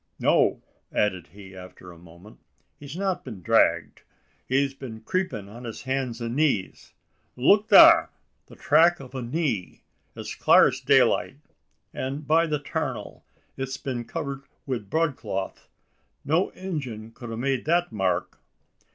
"No!" added he, after a moment, "he's not been dragged; he's been creepin' on his hands an' knees. Look thar! the track o' a knee, as clar as daylight; an', by the tarnal! it's been covered wi' broad cloth. No Injun kud a made that mark!"